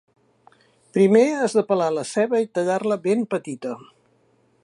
Primer has de pelar la ceba i tallar-la ben petita.